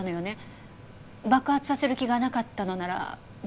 爆発させる気がなかったのならどうして。